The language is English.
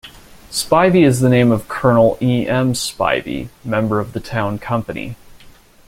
Spivey is the name of Colonel E. M. Spivey, member of the town company.